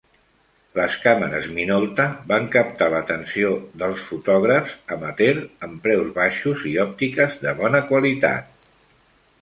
Les càmeres Minolta van captar l"atenció dels fotògraf amateur amb preus baixos i òptiques de bona qualitat.